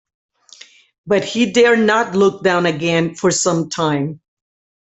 But he dared not look down again for some time.